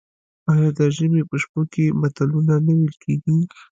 آیا د ژمي په شپو کې متلونه نه ویل کیږي؟